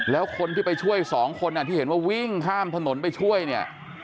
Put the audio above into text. แล้วคนที่ไปช่วยสองคนที่เห็นว่าวิ่งข้ามถนนไปช่วยเนี่ย